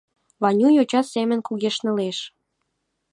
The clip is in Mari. Ваню йоча семын кугешнылеш.